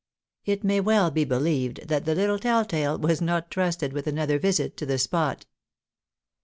It may well be believed that the little telltale was not trusted with another visit to the spot.